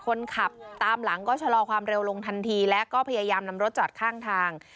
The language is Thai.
คนขับตามหลังก็ชะลอความเร็วลงทันทีและก็พยายามนำรถจอดข้างทาง